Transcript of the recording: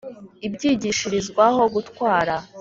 ibyigishirizwaho gutwara